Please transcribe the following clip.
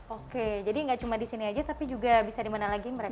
oke jadi nggak cuma di sini aja tapi juga bisa dimana lagi mereka